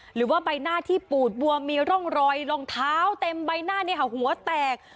หรือว่าใบหน้าที่ปูดบวมมีร่องรอยรองเท้าเต็มใบหน้าเนี่ยค่ะหัวแตก